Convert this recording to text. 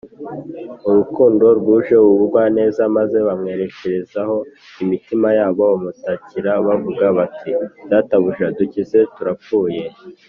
urukundo rwuje ubugwaneza, maze bamwerekezaho imitima yabo bamutakira bavuga bati: “databuja, dukize turapfuye